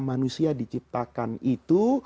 manusia diciptakan itu